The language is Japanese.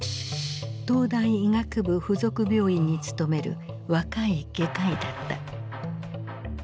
東大医学部附属病院に勤める若い外科医だった。